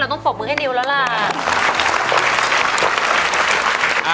ต้องปรบมือให้นิวแล้วล่ะ